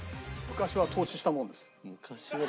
「昔は透視したもんです」。